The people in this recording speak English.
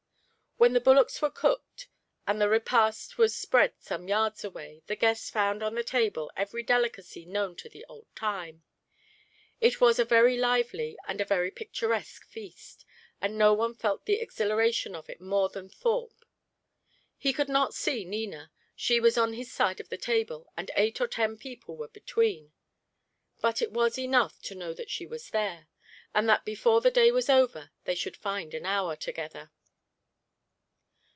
When the bullocks were cooked, and the repast was spread some yards away, the guests found on the table every delicacy known to the old time. It was a very lively and a very picturesque feast, and no one felt the exhilaration of it more than Thorpe. He could not see Nina. She was on his side of the table, and eight or ten people were between; but it was enough to know that she was there, and that before the day was over they should find an hour together.